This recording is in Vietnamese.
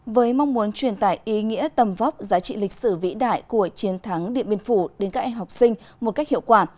với mong muốn truyền tải ý nghĩa tầm vóc giá trị lịch sử vĩ đại của chiến thắng điện biên phủ đến các em học sinh một cách hiệu quả